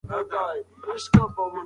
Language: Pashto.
ده د پښتنو د مليت شعور پياوړی کړ